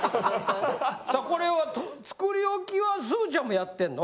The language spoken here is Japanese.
さあこれは作り置きはすずちゃんもやってんの？